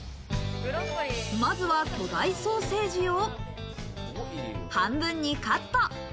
まずは巨大ソーセージを半分にカット。